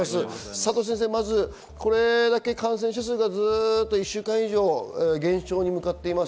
佐藤先生、これだけ感染者数が１週間以上減少に向かっています。